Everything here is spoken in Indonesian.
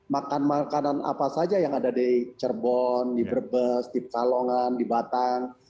makan makanan apa saja yang ada di cirebon di berbes di kalongan di batang